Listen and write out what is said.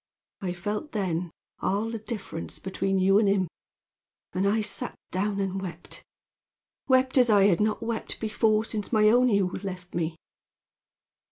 I felt then all the difference between you and him; and I sat down and wept wept as I had not wept before since my own Hugh left me.